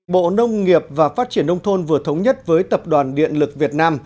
bộ nông nghiệp và phát triển nông thôn vừa thống nhất với tập đoàn điện lực việt nam